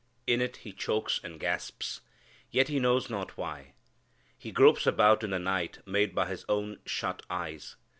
In it he chokes and gasps. Yet he knows not why. He gropes about in the night made by his own shut eyes.